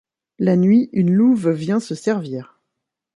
La nuit, une louve vient se servir.